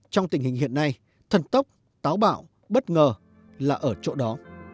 trong tình hình hiện nay thần tốc táo bạo bất ngờ là ở chỗ đó